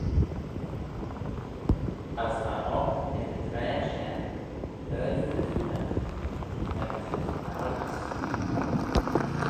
As va oc ec y traa shen ard-phryssoonagh v'enmyssit Barabbas.